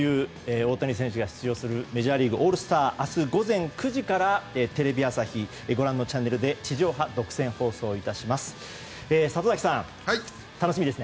大谷選手が出場するメジャーリーグオールスター、明日にテレビ朝日、ご覧のチャンネルで地上波独占放送します。